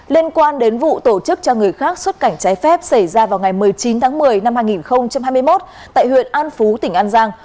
liên quan đến vụ tổ chức cho người khác xuất cảnh trái phép xảy ra vào ngày một mươi chín tháng một mươi năm hai nghìn hai mươi một tại huyện an phú tỉnh an giang